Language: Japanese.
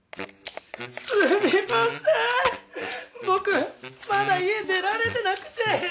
僕まだ家出られてなくて。